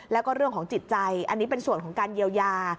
แล้วก็เรื่องของจิตใจอันนี้เป็นส่วนของการเยียวยา